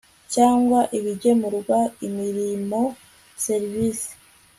cyangwa ibigemurwa imirimo serivisi